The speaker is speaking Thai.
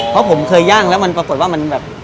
เพราะผมเคยย่างแล้วมันปรากฏว่ามันแบบ